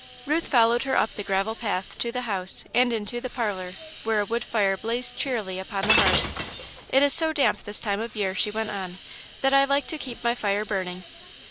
Ruth followed her up the gravelled path to the house, and into the parlour, where a wood fire blazed cheerily upon the hearth. "It is so damp this time of year," she went on, "that I like to keep my fire burning."